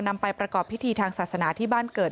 นำไปประกอบพิธีทางศาสนาที่บ้านเกิด